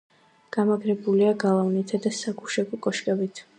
გამაგრებულია გალავნითა და საგუშაგო კოშკებით.